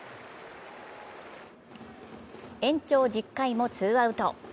延長１０回もツーアウト。